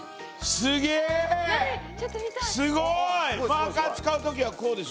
マーカー使う時はこうでしょ。